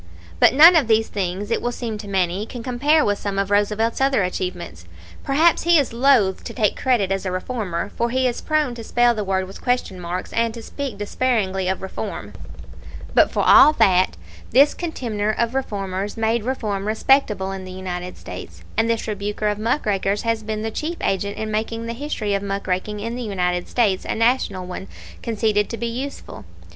"But none of these things, it will seem to many, can compare with some of Roosevelt's other achievements. Perhaps he is loath to take credit as a reformer, for he is prone to spell the word with question marks, and to speak disparagingly of 'reform.' "But for all that, this contemner of 'reformers' made reform respectable in the United States, and this rebuker of 'muck rakers' has been the chief agent in making the history of 'muck raking' in the United States a National one, conceded to be useful.